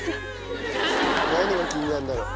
何が気になるんだろう？